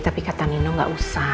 tapi kata nino gak usah